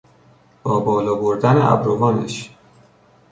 با بالا بردن ابروانش